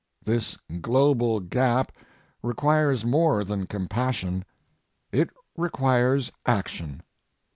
This global gap requires more than compassion. It requires action.